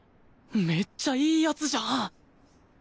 めっちゃいい奴じゃん！